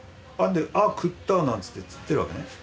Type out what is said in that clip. あっ食ったなんつって釣ってるわけね。